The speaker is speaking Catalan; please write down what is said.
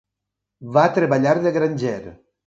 Va treballar de granger.